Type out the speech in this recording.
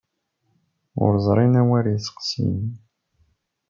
Ur ẓrin anwa ara sseqsin.